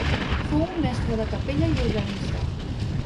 Fou un mestre de capella i organista.